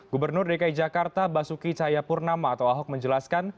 gubernur dki jakarta basuki cahayapurnama atau ahok menjelaskan